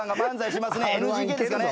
ＮＧＫですかね。